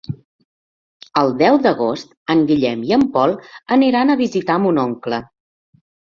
El deu d'agost en Guillem i en Pol aniran a visitar mon oncle.